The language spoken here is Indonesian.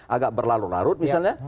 agak berlarut larut misalnya